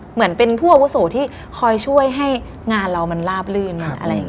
เหมือนเป็นผู้อาวุโสที่คอยช่วยให้งานเรามันลาบลื่น